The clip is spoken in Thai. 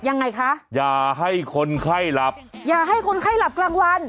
ยังไงคะอย่าให้คนไข้หลับอย่าให้คนไข้หลับกลางวัน